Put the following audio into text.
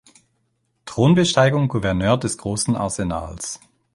Thronbesteigung Gouverneur des großen Arsenals.